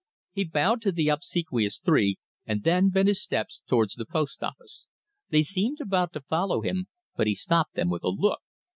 He bowed to the obsequious three, and then bent his steps towards the post office. They seemed about to follow him, but he stopped them with a look.